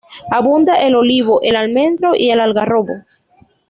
Abunda el olivo, el almendro y el algarrobo.